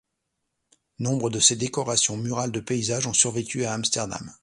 Nombre de ses décorations murales de paysage ont survécu à Amsterdam.